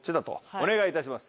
お願いいたします。